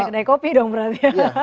ini punya kedai kopi dong berarti ya